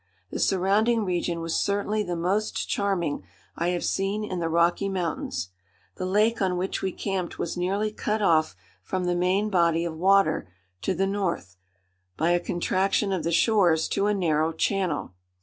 The surrounding region was certainly the most charming I have seen in the Rocky Mountains. The lake on which we camped was nearly cut off from the main body of water to the north, by a contraction of the shores to a narrow channel.